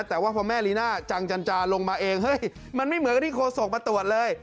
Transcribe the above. แต่ว่าพอแม่ลีน่าจังจันจาลงมาเองเฮ้ยมันไม่เหมือนกับที่โฆษกมาตรวจเลย